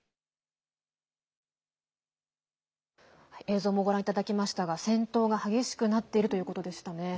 映像もご覧いただきましたが戦闘が激しくなっているようですね。